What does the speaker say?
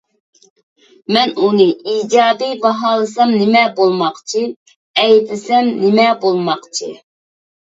مەن ئۇنى ئىجابىي باھالىسام نېمە بولماقچى، ئەيىبلىسەم نېمە بولماقچى؟